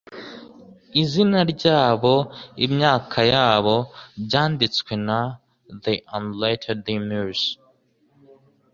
Izina ryabo, imyaka yabo, byanditswe na th 'unletter'd Muse,